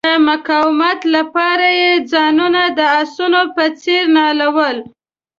د مقاومت لپاره یې ځانونه د آسونو په څیر نالول.